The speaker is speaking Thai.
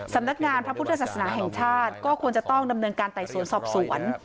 สำนักงานพระพุทธศาสนาแห่งชาติก็ควรจะต้องดำเนินการไต่สวนสอบสวน